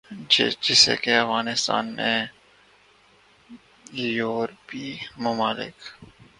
جیسے کے افغانستان میں یورپی ممالک